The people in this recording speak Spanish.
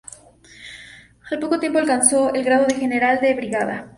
Al poco tiempo alcanzó el grado de general de brigada.